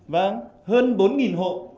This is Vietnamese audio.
vâng hơn bốn hộ